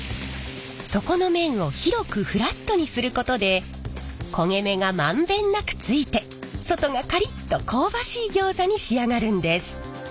底の面を広くフラットにすることで焦げ目が満遍なくついて外がカリッと香ばしいギョーザに仕上がるんです。